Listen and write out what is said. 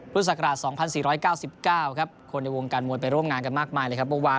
ภูทธิกราศ๒๔๙๙คนได้ร่วมงานกันเมื่อวัน